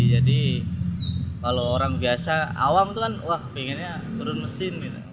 jadi kalau orang biasa awam tuh kan wah pengennya turun mesin